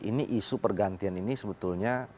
ini isu pergantian ini sebetulnya